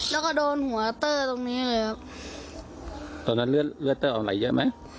แล้วก็โดนหัวเตอร์ตรงนี้เลยครับตอนนั้นเลือดเลือดเต้าออกไหลเยอะไหม